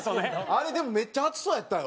あれでもめっちゃ熱そうやったよ？